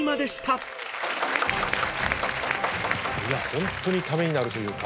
ホントにためになるというか。